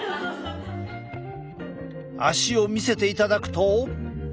足を見せていただくと。